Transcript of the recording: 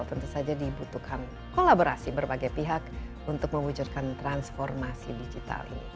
tentu saja dibutuhkan kolaborasi berbagai pihak untuk mewujudkan transformasi digital ini